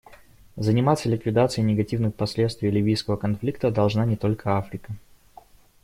Заниматься ликвидацией негативных последствий ливийского конфликта должна не только Африка.